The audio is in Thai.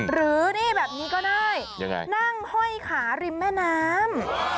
หรือนี่แบบนี้ก็ได้ยังไงนั่งห้อยขาริมแม่น้ำ